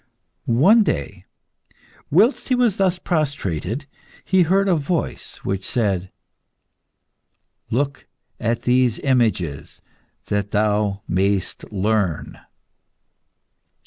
One day, whilst he was thus prostrated, he heard a voice which said "Look at these images, that thou mayest learn."